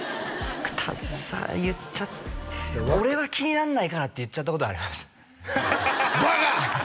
僕言っちゃ「俺は気になんないから」って言っちゃったことありますバカ！